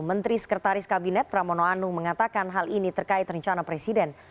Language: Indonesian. menteri sekretaris kabinet pramono anung mengatakan hal ini terkait rencana presiden